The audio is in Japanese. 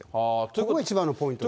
ここが一番のポイントです。